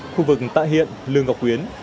khu vực tại hiện lương ngọc quyến